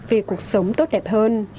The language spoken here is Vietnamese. về cuộc sống tốt đẹp hơn